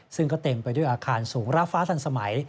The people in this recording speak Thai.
ซึ่งก็เต็มไปด้วยอาคารสูงราบฟ้าทันสมัย